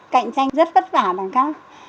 cạnh tranh rất vất vả đằng khác